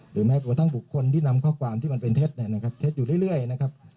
หรือแม้กว่าทั้งบุคคลที่นำข้อความที่มันเป็นเท็จเนี่ยนะครับเท็จอยู่เรื่อยนะครับ